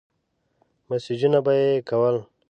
مسېجونه به يې کول.